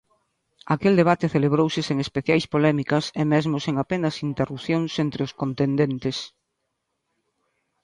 Aquel debate celebrouse sen especiais polémicas e mesmo sen apenas interrupcións entre os contendentes.